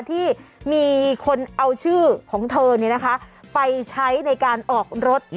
ที่มีคนเอาชื่อของเธอไปใช้ในการออกรถ